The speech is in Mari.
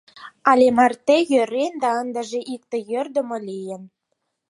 Але марте йӧрен да ынде иже йӧрдымӧ лийын...